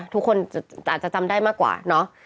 ทุกคนอาจจะจำได้มากกว่าเนอะ